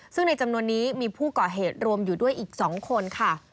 ซึ่งในจำนวนนี้มีผู้ก่อเหตุรวมอยู่ด้วยอีก๒คนค่ะ